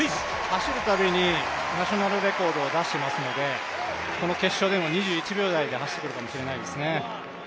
走るたびにナショナルレコードを出してますので決勝でも２１秒台で走ってくるかもしれないですね。